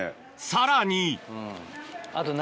さらにあと。